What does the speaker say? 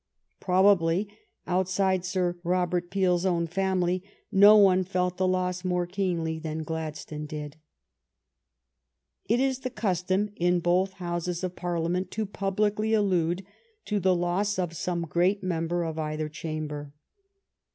Probably outside Sir Robert Peel's own family no one felt the loss more keenly than Gladstone did. It is the custom in both Houses of Parliament to publicly allude to the loss of some great mem ber of either chamber.